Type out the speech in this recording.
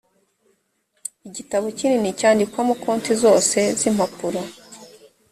igitabo kinini cyandikwamo konti zose z impapuro